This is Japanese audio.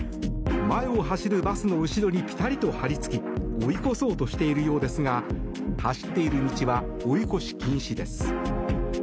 前を走るバスの後ろにぴたりと張り付き追い越そうとしているようですが走っている道は追い越し禁止です。